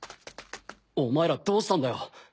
お前らどうしたんだよ！？